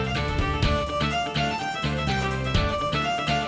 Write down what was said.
masjid enggak mau doang